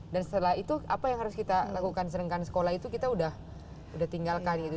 dan setelah itu apa yang harus kita lakukan seringkan sekolah itu kita udah tinggalkan gitu